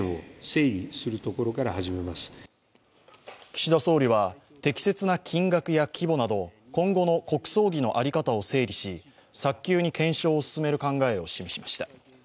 岸田総理は、適切な金額や規模など今後の国葬儀の在り方を整理し、早急に検証を進める考えを示しました。